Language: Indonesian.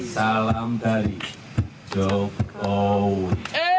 salam dari jokowi